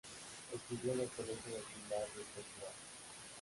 Estudió en el Colegio del Pilar de esta ciudad.